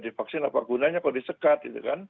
divaksin apa gunanya kalau disekat